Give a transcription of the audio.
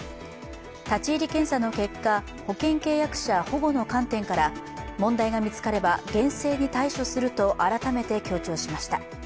立入検査の結果保険契約者保護の観点から、問題が見つかれば、厳正に対処すると改めて強調しました。